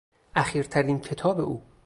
اخیرترین کتاب او